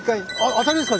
当たりですか？